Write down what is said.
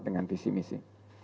dengan visi misi